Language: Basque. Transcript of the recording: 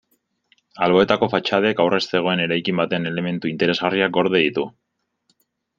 Alboetako fatxadek aurrez zegoen eraikin baten elementu interesgarriak gorde ditu.